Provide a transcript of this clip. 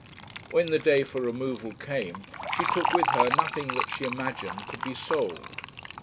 When the day for removal came, she took with her nothing that she imagined could be sold.